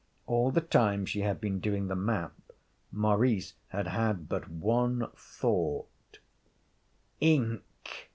All the time she had been doing the map, Maurice had had but one thought: _Ink!